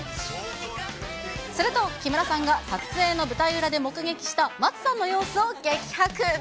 すると木村さんが、撮影の舞台裏で目撃した松さんの様子を激白。